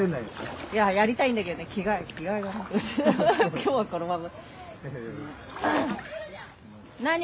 今日はこのまま。